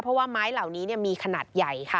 เพราะว่าไม้เหล่านี้มีขนาดใหญ่ค่ะ